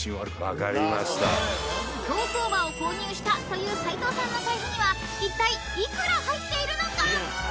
［競走馬を購入したという斉藤さんの財布にはいったい幾ら入っているのか？］